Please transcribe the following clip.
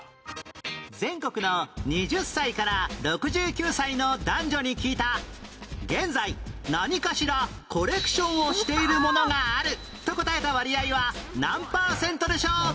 全国の２０歳から６９歳の男女に聞いた現在何かしらコレクションをしているものがあると答えた割合は何パーセントでしょう？